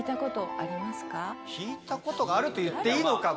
弾いたことがあると言っていいのかが。